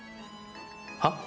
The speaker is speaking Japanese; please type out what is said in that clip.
はっ？